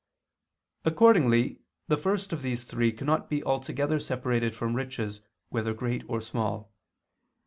Accordingly the first of these three cannot be altogether separated from riches whether great or small.